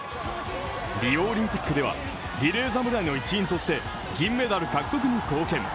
リオオリンピックではリレー侍の一員として銀メダル獲得に貢献。